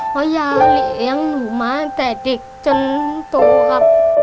เพราะยายเลี้ยงหนูมาตั้งแต่เด็กจนโตครับ